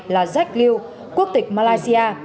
là jack liu quốc tịch malaysia